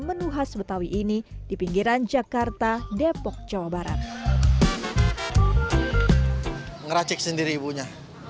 menu khas betawi ini di pinggiran jakarta depok jawa barat ngeracek sendiri ibunya